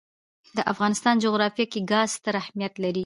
د افغانستان جغرافیه کې ګاز ستر اهمیت لري.